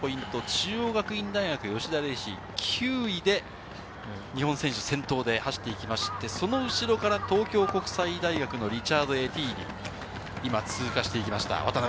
中央学院大学・吉田礼志、９位で日本選手、先頭で走っていきまして、その後ろから東京国際大学のリチャード・エティーリ、今、通過していきました。